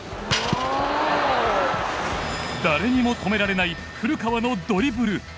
誰にも止められない古川のドリブル。